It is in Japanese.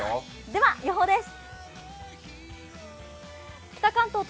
では予報です。